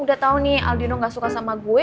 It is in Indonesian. udah tau nih aldino gak suka sama gue